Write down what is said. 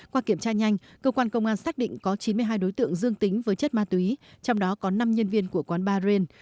qua kiểm tra nhanh cơ quan công an xác định có chín mươi hai đối tượng dương tính với chất ma túy trong đó có năm nhân viên của quán bar rain